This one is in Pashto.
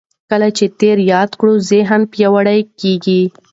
کله چې تېر یاد کړو ذهن پیاوړی کېږي.